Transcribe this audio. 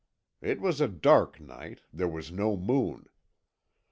"It was a dark night; there was no moon.